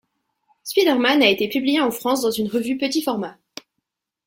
Spiderman a été publié en France dans une revue petit format.